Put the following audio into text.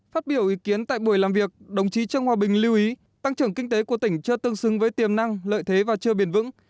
phát biểu ý kiến tại buổi làm việc đồng chí trương hòa bình lưu ý tăng trưởng kinh tế của tỉnh chưa tương xứng với tiềm năng lợi thế và chưa bền vững